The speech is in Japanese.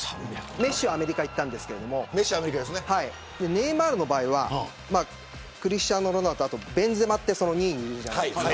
メッシはアメリカに行ったんですけどネイマールの場合はクリスティアーノ・ロナウドとあと、ベンゼマが２位にいるじゃないですか。